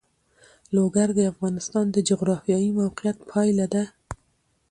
لوگر د افغانستان د جغرافیایي موقیعت پایله ده.